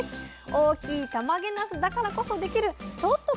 大きいたまげなすだからこそできるちょっと変わった「麺」料理！